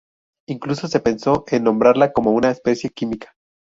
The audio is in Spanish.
Incluso se pensó en nombrarla como una especie química.